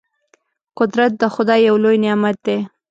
قدرت د خدای یو لوی نعمت دی.